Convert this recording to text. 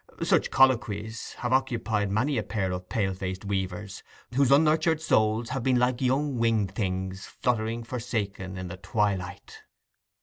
Such colloquies have occupied many a pair of pale faced weavers, whose unnurtured souls have been like young winged things, fluttering forsaken in the twilight.